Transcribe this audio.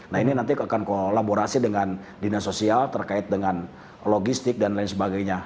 nah ini nanti akan kolaborasi dengan dinas sosial terkait dengan logistik dan lain sebagainya